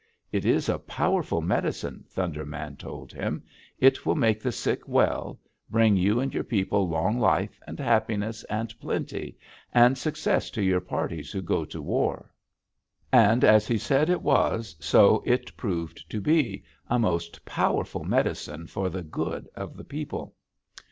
'It is a powerful medicine,' Thunder Man told him. 'It will make the sick well; bring you and your people long life and happiness and plenty, and success to your parties who go to war.' "And as he said it was, so it proved to be, a most powerful medicine for the good of the people.